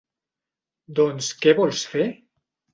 Doncs què vols fer?